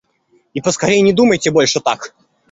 И поскорей не думайте больше так!